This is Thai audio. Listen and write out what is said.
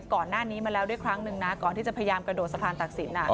ก่อนหน้านี้มาแล้วด้วยครั้งหนึ่งนะก่อนที่จะพยายามกระโดดสะพานตักศิลป